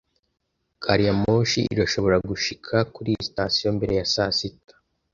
Gariyamoshi irashobora gushika kuri sitasiyo mbere ya saa sita.